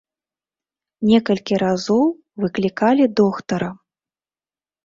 Некалькі разоў выклікалі доктара.